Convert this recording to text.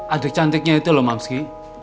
adik cantiknya itu loh mapski